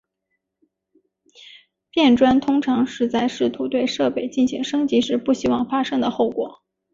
变砖通常是在试图对设备进行升级时不希望发生的后果。